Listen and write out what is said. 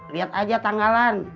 lihat aja tanggalan